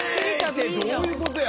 どういうことや？